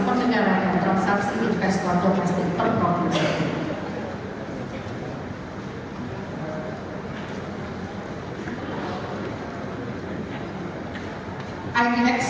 perjalanan transaksi investor domestic perproduksi